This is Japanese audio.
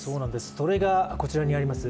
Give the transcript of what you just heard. それが、こちらにあります